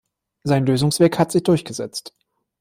Sein Lösungsweg hat sich durchgesetzt.